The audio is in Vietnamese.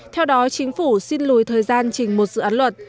theo đó chính phủ xin lùi thời gian chỉnh một dự án luật